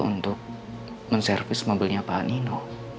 untuk menservis mobilnya pak nino